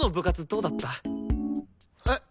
えっ？